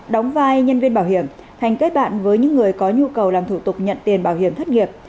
đóng vai nhân viên bảo hiểm hành kết bạn với những người có nhu cầu làm thủ tục nhận tiền bảo hiểm thất nghiệp